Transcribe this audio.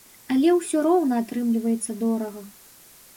Але ўсё роўна атрымліваецца дорага.